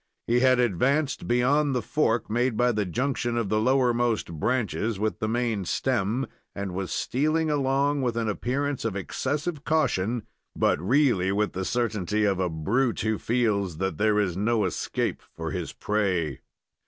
He had advanced beyond the fork made by the junction of the lowermost branches with the main stem, and was stealing along with an appearance of excessive caution, but really with the certainty of a brute who feels that there is no escape for his prey.